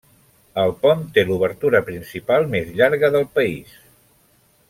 El pont té l'obertura principal més llarga del país.